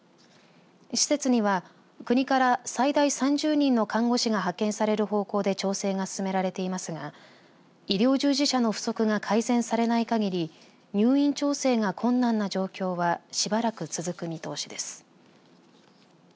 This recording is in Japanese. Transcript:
施設には、国から最大３０人の看護師が派遣される方向で調整が進められていますが医療従事者の不足が改善されないかぎり入院調整が困難な状況はしばらく続く見通しです。